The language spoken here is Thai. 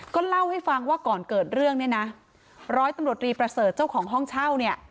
ก็เล่าให้ฟังว่าก่อนเกิดเรื่องเนี่ยนะร้อยตำรวจรีประเสริฐเจ้าของห้องเช่าเนี่ย